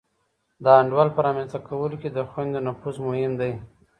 د انډول په رامنځته کولو کي د خویندو نفوذ مهم دی.